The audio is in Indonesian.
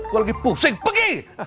gue lagi pusing pergi